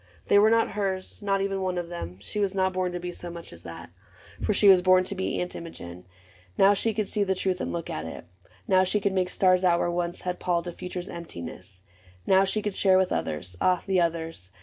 They were not hers, not even one of them : She was not born to be so much as that, For she was born to be Aunt Imogen. Now she could see the truth and look at it ; Now she could make stars out where once had palled 114 AUNT IMOGEN A future's emptiness ; now she could share With others — ah, the others